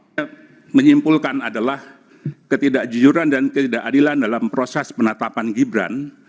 saya menyimpulkan adalah ketidakjujuran dan ketidakadilan dalam proses penetapan gibran